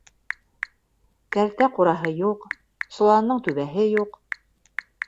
Кәртә-ҡураһы юҡ, соланының түбәһе юҡ.